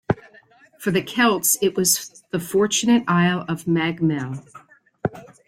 For the Celts, it was the Fortunate Isle of Mag Mell.